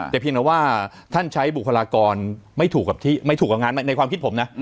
แต่เพียงแต่ว่าท่านใช้บุคลากรไม่ถูกกับหงานในความคิดผม